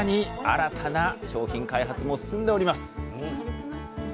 新たな商品開発も進んでおります。